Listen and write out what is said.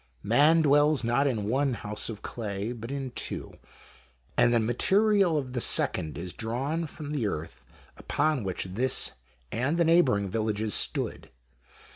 Man dwells not in one " house of clay," but in two, and the material of the second is drawn from the earth upon which this and the neigh bouring villages stood.